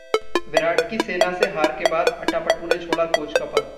विराट की सेना से हार के बाद अटापट्टू ने छोड़ा कोच का पद